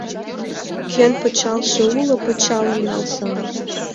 Кӧн пычалже уло, пычалым налза!